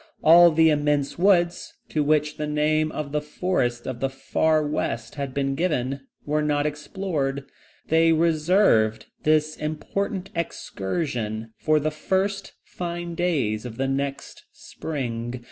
All the immense woods, to which the name of the Forests of the Far West had been given, were not explored. They reserved this important excursion for the first fine days of the next spring.